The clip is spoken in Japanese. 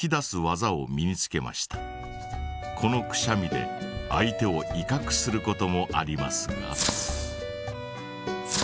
このくしゃみで相手をいかくすることもありますが。